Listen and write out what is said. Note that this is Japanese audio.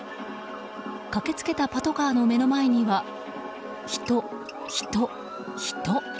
駆けつけたパトカーの目の前には人、人、人。